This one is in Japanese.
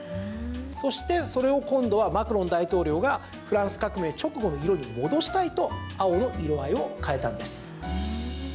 そしてそれを今度はマクロン大統領がフランス革命直後の色に戻したいと青の色合いを変えたんです。